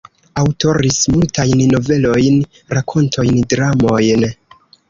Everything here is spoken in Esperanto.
Aŭtoris multajn novelojn, rakontojn, dramojn.